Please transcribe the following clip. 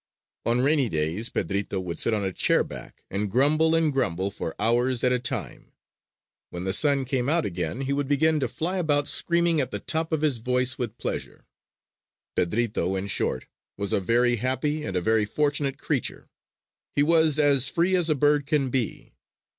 On rainy days Pedrito would sit on a chair back and grumble and grumble for hours at a time. When the sun came out again he would begin to fly about screaming at the top of his voice with pleasure. Pedrito, in short, was a very happy and a very fortunate creature. He was as free as a bird can be.